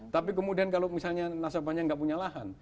tapi kemudian kalau misalnya nasabahnya nggak punya lahan